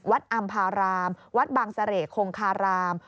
อำพารามวัดบางเสร่คงคาราม